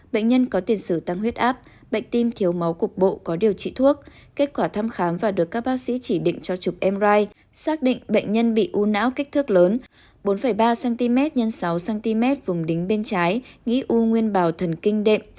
bệnh nhân có tiền sử tăng huyết áp bệnh tim thiếu máu cục bộ có điều trị thuốc kết quả thăm khám và được các bác sĩ chỉ định cho chụp mri xác định bệnh nhân bị u não kích thước lớn bốn ba cm x sáu cm vùng đính bên trái nghĩ u nguyên bào thần kinh đệm